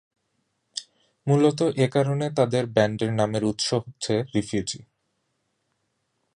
মূলত এ কারণে তাদের ব্যান্ডের নামের উৎস হচ্ছে রিফুজি।